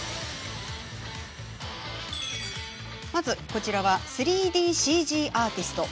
こちらは、３ＤＣＧアーティスト。